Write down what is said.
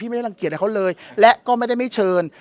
ไม่ได้รังเกียจให้เขาเลยและก็ไม่ได้ไม่เชิญ